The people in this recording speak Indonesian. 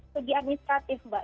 segi administratif mbak